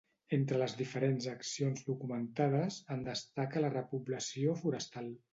Entre les diferents accions documentades, en destaca la repoblació forestal.